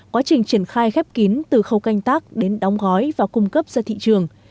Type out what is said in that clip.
quá trình triển khai khép kín từ khâu canh tác đến đóng gói và cung cấp ra thị trường